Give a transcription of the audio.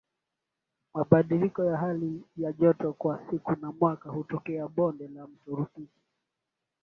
mabadiliko ya hali ya joto kwa siku na mwaka hutokea Bonde la Mto Rufiji